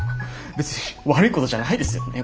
別に悪いことじゃないですよね